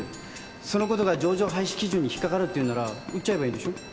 そのことが上場廃止基準に引っ掛かるって言うんなら売っちゃえばいいでしょう？